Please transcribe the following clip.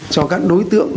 cho các đối tượng